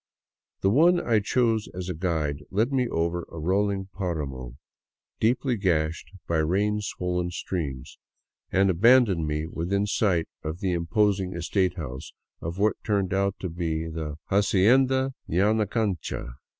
The one I chose as guide led me over a rolling paramo deeply gashed by rain swollen streams, and abandoned me within sight of the imposing estate house of what turned out to be the " Hacienda Yanacancha."